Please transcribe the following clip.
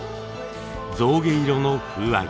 象牙色の風合い。